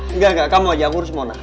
enggak enggak kamu aja yang urus mona